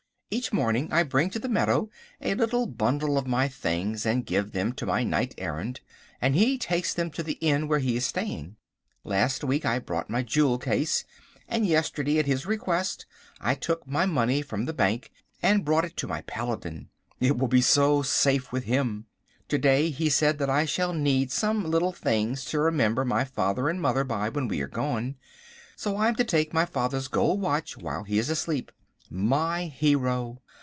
Each morning I bring to the meadow a little bundle of my things and give them to my knight errant and he takes them to the inn where he is staying. Last week I brought my jewel case, and yesterday, at his request, I took my money from the bank and brought it to my paladin. It will be so safe with him. To day he said that I shall need some little things to remember my father and mother by when we are gone. So I am to take my father's gold watch while he is asleep. My hero!